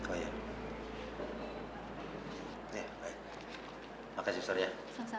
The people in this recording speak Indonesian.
maksudnya dia sudah kembali ke rumah